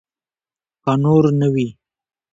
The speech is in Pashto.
که نور نه وي.